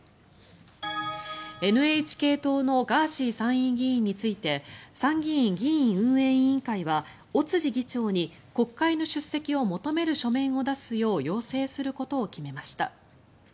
ＮＨＫ党のガーシー参院議員について参議院議院運営委員会は尾辻議長に国会の出席を求める書面を出すよう要請することを決めました。